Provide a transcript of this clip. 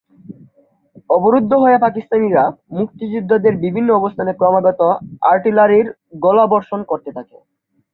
অবরুদ্ধ হয়ে পাকিস্তানিরা মুক্তিযোদ্ধাদের বিভিন্ন অবস্থানে ক্রমাগত আর্টিলারির গোলাবর্ষণ করতে থাকে।